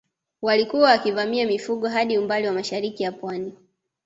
Walikuwa wakivamia mifugo hadi umbali wa mashariki ya Pwani